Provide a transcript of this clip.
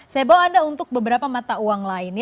saya bawa anda untuk beberapa mata uang lainnya